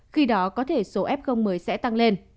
khi đó có thể số f mới sẽ tăng lên